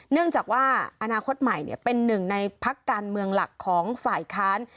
เนื่องจากว่าอนาคตใหม่เป็นหนึ่งในพักการเมืองหลักของฝ่ายค้าน